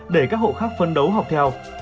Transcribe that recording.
để các hộ khác phân đấu học theo